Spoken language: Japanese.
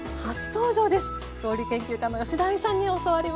料理研究家の吉田愛さんに教わります。